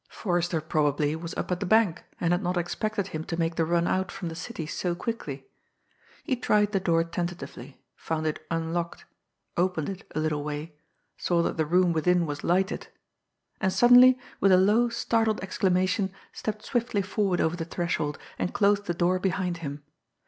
Forrester probably was up at the bank, and had not expected him to make the run out from the city so quickly. He tried the door tentatively, found it unlocked, opened it a little way, saw that the room within was lighted and suddenly, with a low, startled exclamation, stepped swiftly forward over the threshold, and closed the door behind him.